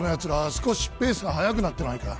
少しペースが速くなってないか？